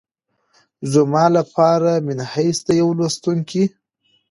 زما لپاره منحیث د یوه لوستونکي